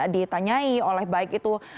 ditanyai oleh baik itu